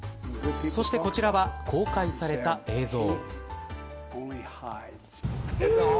そしてこちらは公開された映像。